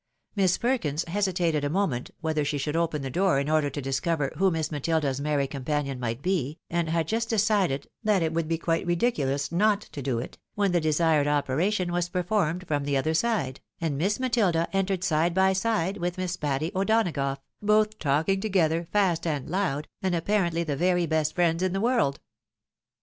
Miss Perkins hesitated a moment whether she should open the door in order to discover who Miss Matilda's merry companion might be, and had just decided that it would be quite ridiculous not to do it, when the desired operation was performed from the other side, and Miss Matilda entered side by side with Miss Patty O'Donagough, both talking together, fast and loud, and apparently the very best friends in the world.